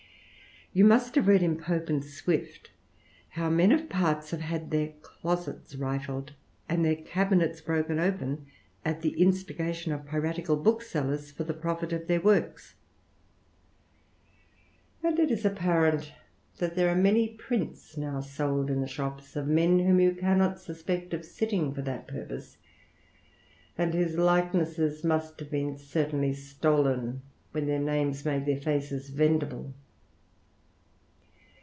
You must have read in P< and Swift how men of parts have had their closets rifiedt 35 and their cabinets broke open, at the instigation of piratical booksellers, for the profit of their works ; and it is apparent that there are many prints now sold in the shops, of men whom you cannot suspect of sitting for that purpose, and »hose likenesses must have been certainly stolen when their names made their faces vendible.